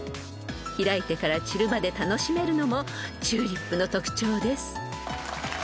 ［開いてから散るまで楽しめるのもチューリップの特徴です］